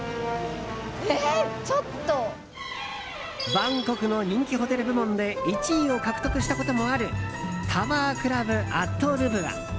バンコクの人気ホテル部門で１位を獲得したこともあるタワークラブアットルブア。